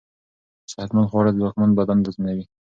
صحتمند خواړه ځواکمن بدن تضمينوي.